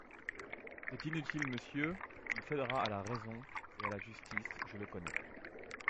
C'est inutile, monsieur, il cédera à la raison et à la justice, je le connais.